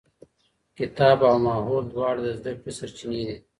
کتاب او ماحول دواړه د زده کړې سرچينې دي.